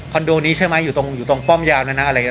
คอนโดนี้ใช่ไหมอยู่ตรงอยู่ตรงป้อมยาวน่ะน่ะอะไรอย่างนี้